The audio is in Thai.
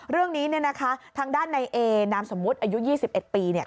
เรื่องนี้เนี่ยนะคะทางด้านในเอนามสมมุติอายุ๒๑ปีเนี่ย